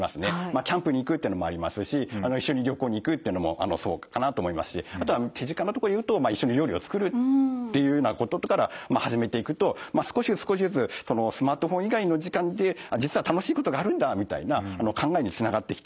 キャンプに行くっていうのもありますし一緒に旅行に行くっていうのもそうかなと思いますしあとは手近なところでいうと一緒に料理を作るっていうようなことから始めていくと少しずつ少しずつスマートフォン以外の時間って実は楽しいことがあるんだみたいな考えにつながってきてですね